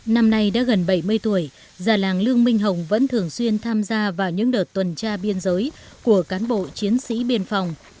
năm nay đã gần bảy mươi tuổi già làng lương minh hồng vẫn thường xuyên tham gia vào những đợt tuần tra biên giới của cán bộ chiến sĩ biên phòng